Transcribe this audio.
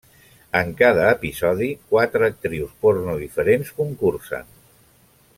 En cada episodi, quatre actrius porno diferents concursen.